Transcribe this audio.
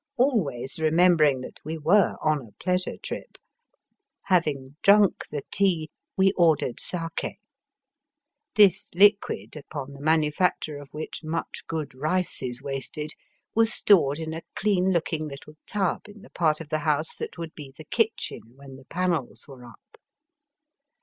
Always remembering that we were on a pleasure trip, having drunk the tea we ordered sake. This liquid, upon the manufac ture of which much good rice is wasted, was stored in a clean looking little tub in the part of the house that would be the kitchen when the panels were up.